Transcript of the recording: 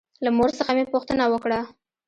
له مور څخه مې پوښتنه وکړه.